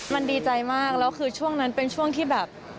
มันดีใจมากแล้วคือช่วงนั้นเป็นช่วงที่แบบ